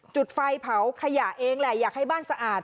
จุดไฟเผาขยะเองแหละอยากให้บ้านสะอาด